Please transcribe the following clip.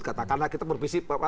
karena kita mempervisi